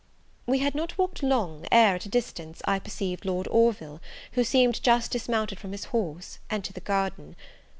We had not walked long, ere, at a distance, I perceived Lord Orville, who seemed just dismounted from his horse, enter the garden.